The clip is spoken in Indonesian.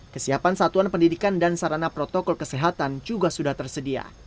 kesiapan satuan pendidikan dan sarana protokol kesehatan juga sudah tersedia